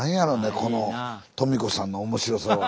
このとみ子さんの面白さは。